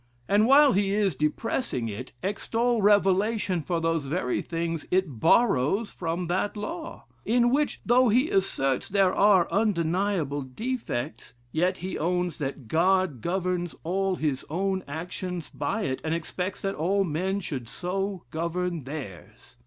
and while he is depressing it, extol revelation for those very things it borrows from that law? in which, though he asserts there are undeniable defects, yet he owns that God governs all his own actions by it, and expects that all men should so govern theirs.